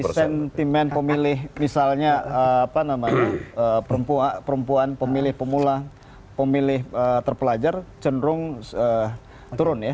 sentimen pemilih misalnya perempuan pemilih pemula pemilih terpelajar cenderung turun ya